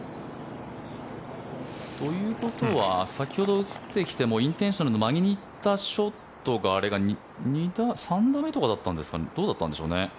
ということは先ほど映ってきてインテンションの曲げに行ったショットがあれが３打目だったんですかねどうだったんでしょうね。